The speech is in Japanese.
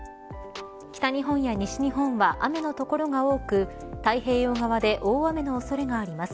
北日本や西日本は雨の所が多く太平洋側で大雨の恐れがあります。